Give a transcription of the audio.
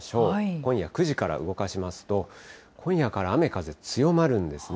今夜９時から動かしますと、今夜から雨風強まるんですね。